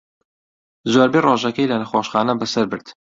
زۆربەی ڕۆژەکەی لە نەخۆشخانە بەسەر برد.